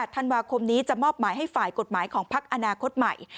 ธันวาคมนี้จะมอบหมายให้ฝ่ายกฎหมายของพักอนาคตใหม่